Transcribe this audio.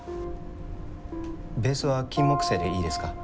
ベースはキンモクセイでいいですか？